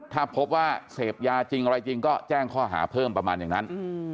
ถ้าพบว่าเสพยาจริงอะไรจริงก็แจ้งข้อหาเพิ่มประมาณอย่างนั้น